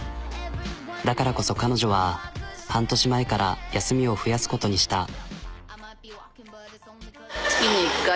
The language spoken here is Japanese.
だからこそ彼女は半年前から休みを増やすことにした。